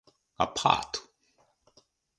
アパート